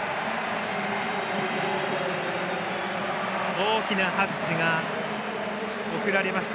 大きな拍手が送られました